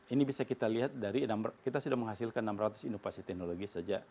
ini bisa kita lihat dari kita sudah menghasilkan enam ratus inovasi teknologi sejak